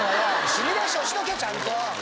シミュレーションしとけちゃんと！